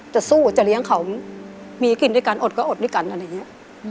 จะสู้จะเลี้ยงเขามีกินด้วยกันอดก็อดด้วยกันอะไรอย่างนี้